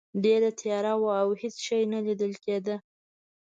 ډیره تیاره وه او هیڅ شی نه لیدل کیده.